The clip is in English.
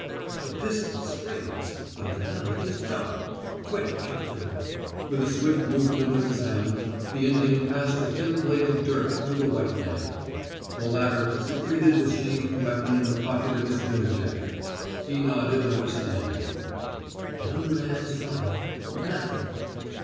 "The pistol screams, but the knife is dumb. Quick, Cap tain!" With a swift movement of his hand the Indian passed a thin bladed dirk to the white man. The latter secreted the sheathed weapon in a pocket of his dinner jacket. He nodded understanding. "One man's life nothing!"